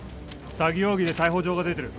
詐欺容疑で逮捕状が出てる